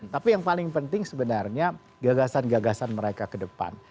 tapi yang paling penting sebenarnya gagasan gagasan mereka ke depan